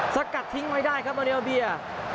สักกัดทิ้งไม่ได้ครับอัลเนียเบีย